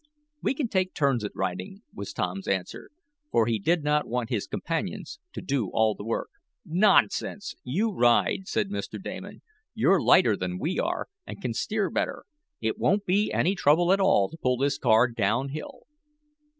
"We can take turns at riding," was Tom's answer, for he did not want his companions to do all the work. "Nonsense! You ride," said Mr. Damon. "You're lighter than we are, and can steer better. It won't be any trouble at all to pull this car down hill."